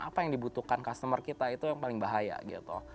apa yang dibutuhkan customer kita itu yang paling bahaya gitu